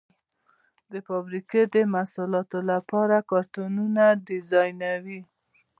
د فابریکو د محصولاتو لپاره کارتنونه ډیزاینوي.